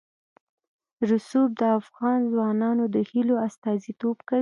رسوب د افغان ځوانانو د هیلو استازیتوب کوي.